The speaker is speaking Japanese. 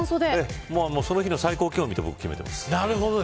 その日の最高気温を見て決めています。